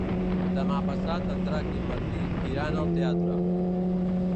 Demà passat en Drac i en Martí iran al teatre.